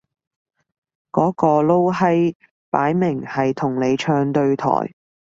嗰個撈閪擺明係同你唱對台